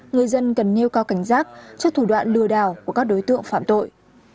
người dân cần nheo cao cảnh giác cho thủ đoạn lừa đảo của các đối tượng phạm tội